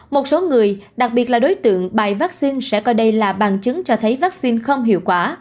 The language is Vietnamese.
một số người đặc biệt là đối tượng bài vaccine sẽ coi đây là bằng chứng cho thấy vaccine không hiệu quả